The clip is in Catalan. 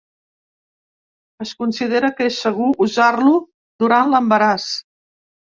Es considera que és segur usar-lo durant l'embaràs.